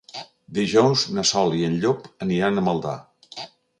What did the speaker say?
Dijous na Sol i en Llop aniran a Maldà.